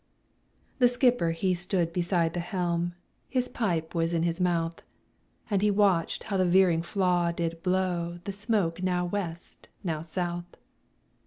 The skipper he stood beside the helm, His pipe was in his mouth, And he watched how the veering flaw did blow The smoke now West, now South.